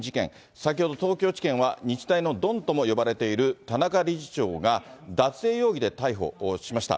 先ほど、東京地検は日大のドンとも呼ばれている田中理事長が、脱税容疑で逮捕しました。